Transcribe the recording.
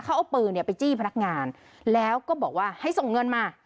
เขาเอาปืนเนี่ยไปจี้พนักงานแล้วก็บอกว่าให้ส่งเงินมา